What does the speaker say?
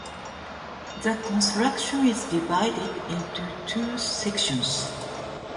The constitution is divided into two sections.